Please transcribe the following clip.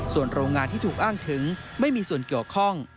ส่วนโรงงานที่ถูกอ้างถึงไม่มีส่วนเกี่ยวข้อง